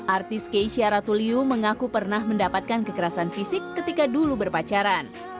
artis keisha ratuliu mengaku pernah mendapatkan kekerasan fisik ketika dulu berpacaran